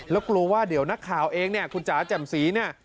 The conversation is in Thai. แล้วกลัวว่าเดี๋ยวนักข่าวเองเนี่ยคุณจ๋าแจ่มสีเนี่ย